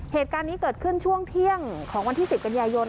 เหตุการณ์นี้เกิดขึ้นช่วงเที่ยงของวันที่๑๐กันยายน